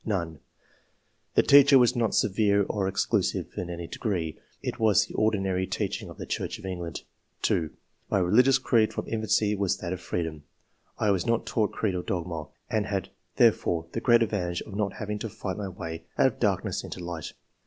" None. The teaching was not severe or ex clusive in any degree ; it was the ordinary teaching of the Church of England." 2. " My religious creed from infancy was that of freedom. I was not taught creed or dogma, and had there fore the great advantage of not having to fight my way out of darkness into light."